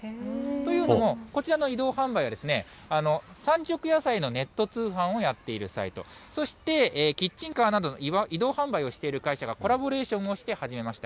というのも、こちらの移動販売は、産直野菜のネット通販をやっているサイト、そしてキッチンカーなどの移動販売をしている会社がコラボレーションをして始めました。